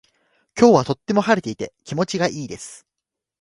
今日はとても晴れていて気持ちがいいです。